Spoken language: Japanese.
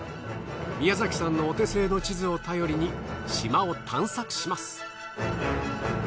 宮崎さんのお手製の地図を頼りに島を探索します。